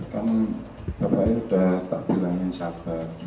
kan bapaknya udah tak bilangin sabar